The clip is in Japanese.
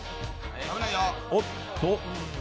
おっと？